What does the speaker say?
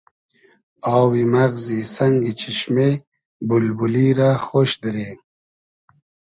آوی مئغزی سئنگی چیشمې بولبولی رۂ خۉش دیرې